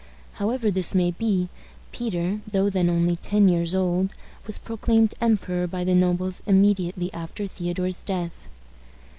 However this may be, Peter, though then only ten years old, was proclaimed emperor by the nobles immediately after Theodore's death.